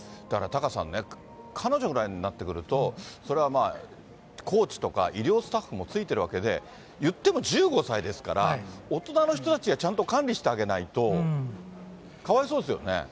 だから、タカさんね、彼女ぐらいになってくると、それはコーチとか、医療スタッフもついてるわけで、言っても１５歳ですから、大人の人たちがちゃんと管理してあげないと、かわいそうですよね。